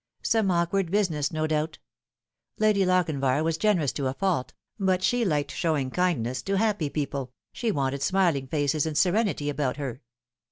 Some awkward business, no doubt. Lady Lochinvar was generous to a fault, but she liked showing kind ness to happy people, she wanted smiling faces and serenity about her.